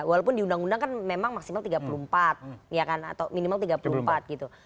walaupun di undang undang kan memang maksimal tiga puluh empat ya kan atau minimal tiga puluh empat gitu